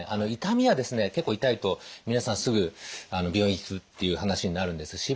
痛みはですね結構痛いと皆さんすぐ病院行くっていう話になるんです。